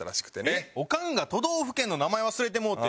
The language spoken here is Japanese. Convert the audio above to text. えっオカンが都道府県の名前忘れてもうて？